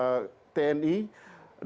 misalnya yang serbat nyetir cempa orang